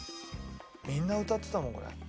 みんな歌ってたもんこれ。